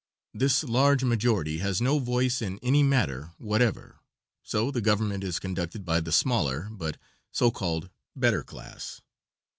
This large majority has no voice in any matter whatever, so the government is conducted by the smaller, but so called better class.